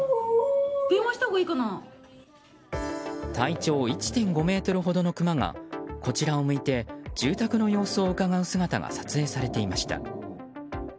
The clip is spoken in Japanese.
体長１．５ｍほどのクマがこちらを向いて住宅の様子をうかがう姿が撮影されていました。